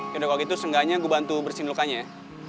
yaudah kalau gitu senggaknya gue bantu bersihin lukanya ya